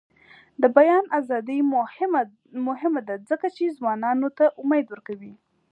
د بیان ازادي مهمه ده ځکه چې ځوانانو ته امید ورکوي.